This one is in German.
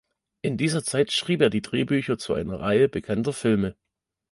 In dieser Zeit schrieb er die Drehbücher zu einer Reihe bekannter Filme.